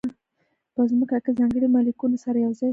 په ځمکه کې ځانګړي مالیکولونه سره یو ځای شول.